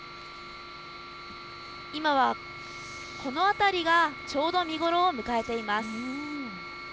今はこの辺りがちょうど見頃を迎えています。